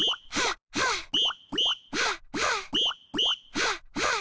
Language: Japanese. はあはあ。